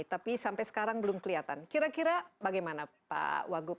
tapi sampai sekarang belum kelihatan kira kira bagaimana pak wagub